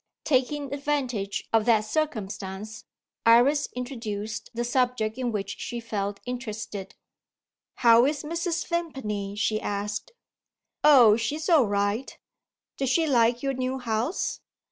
Taking advantage of that circumstance, Iris introduced the subject in which she felt interested. "How is Mrs. Vimpany?" she asked. "Oh, she's all right!" "Does she like your new house?"